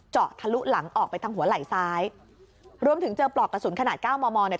ทะลุหลังออกไปทางหัวไหล่ซ้ายรวมถึงเจอปลอกกระสุนขนาดเก้ามอมอเนี่ย